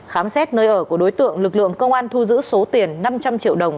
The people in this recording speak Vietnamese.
khám xét nơi ở của đối tượng lực lượng công an thu giữ số tiền năm trăm linh triệu đồng